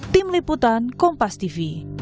tim liputan kompas tv